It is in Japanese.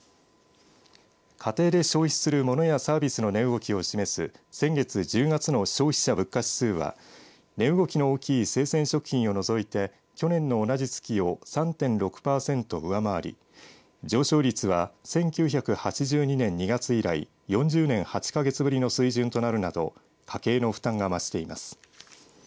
家庭で消費するモノやサービスの値動きを示す先月１０月の消費者物価指数は値動きの大きい生鮮食品を除いて去年の同じ月を３．６パーセント上回り上昇率は１９８２年２月以来４０年８か月ぶりの水準となるなど家計の負担が増しています。